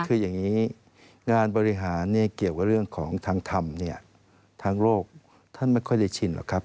คืออย่างนี้งานบริหารเนี่ยเกี่ยวกับเรื่องของทางธรรมเนี่ยทางโลกท่านไม่ค่อยได้ชินหรอกครับ